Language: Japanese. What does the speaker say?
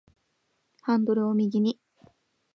ハンドルを右に